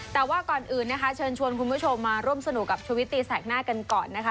แต่ว่าก่อนอื่นนะคะเชิญชวนคุณผู้ชมมาร่วมสนุกกับชุวิตตีแสกหน้ากันก่อนนะคะ